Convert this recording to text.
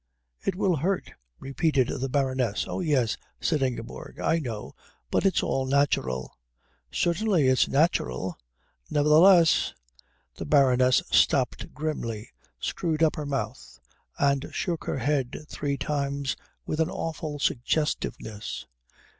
"It will hurt," repeated the Baroness. "Oh, yes," said Ingeborg. "I know. But it's all natural." "Certainly it is natural. Nevertheless " The Baroness stopped grimly, screwed up her mouth, and shook her head three times with an awful suggestiveness.